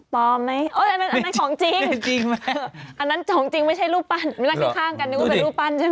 ไหมอันนั้นของจริงไหมอันนั้นของจริงไม่ใช่รูปปั้นนั่งข้างกันนึกว่าเป็นรูปปั้นใช่ไหม